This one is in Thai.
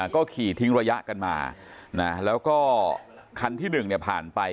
ก็ขี่ทิ้งระยะกันมาแล้วก็คันที่๑ผ่านไป